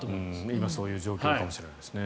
今、そういう状況かもしれないですね。